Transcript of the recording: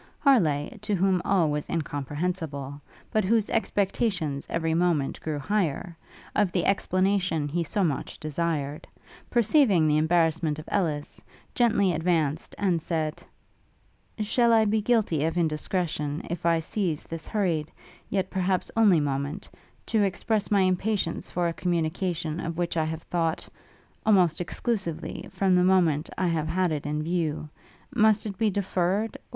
Harleigh, to whom all was incomprehensible, but whose expectations every moment grew higher, of the explanation he so much desired, perceiving the embarrassment of Ellis, gently advanced, and said, 'Shall I be guilty of indiscretion, if I seize this hurried, yet perhaps only moment, to express my impatience for a communication of which I have thought, almost exclusively, from the moment I have had it in view? Must it be deferred?